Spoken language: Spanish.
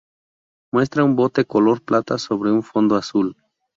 Muestra un bote color plata sobre un fondo azul.